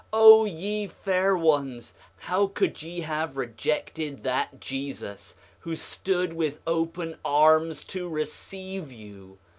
O ye fair ones, how could ye have rejected that Jesus, who stood with open arms to receive you!